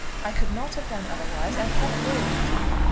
I could not have done otherwise and have lived."